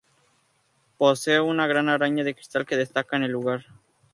Posee una gran araña de cristal que destaca en el lugar.-